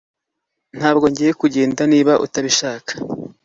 Ntabwo ngiye kugenda niba utabishaka